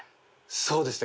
そうですね